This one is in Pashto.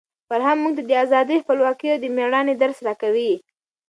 فرهنګ موږ ته د ازادۍ، خپلواکۍ او د مېړانې درس راکوي.